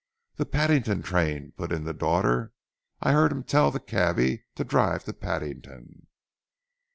"The Paddington train," put in the daughter. "I heard him tell the cabby to drive to Paddington."